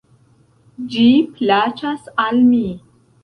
Ĝi plaĉas al mi.